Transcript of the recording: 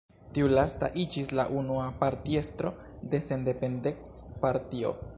Tiu lasta iĝis la unua partiestro de Sendependecpartio.